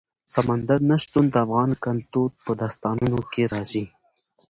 سمندر نه شتون د افغان کلتور په داستانونو کې راځي.